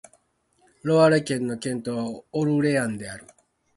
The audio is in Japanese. ロワレ県の県都はオルレアンである